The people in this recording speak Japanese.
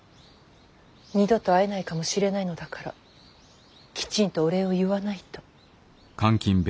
二度と会えないかもしれないのだからきちんとお礼を言わないと。